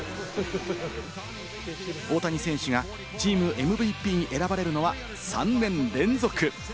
大谷選手がチームＭＶＰに選ばれるのは３年連続。